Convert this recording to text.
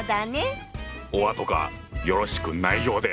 おあとがよろしくないようで！